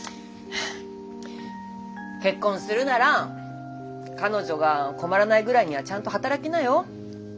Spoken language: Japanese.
結婚するなら彼女が困らないぐらいにはちゃんと働きなよ。